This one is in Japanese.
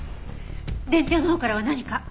伝票のほうからは何か？